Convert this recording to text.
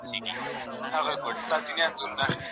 هر وخت تخلص مه بدلوئ.